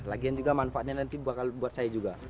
lagian juga manfaatnya nanti buat saya juga